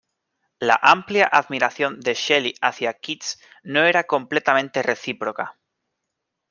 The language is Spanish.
La amplia admiración de Shelley hacia Keats no era completamente recíproca.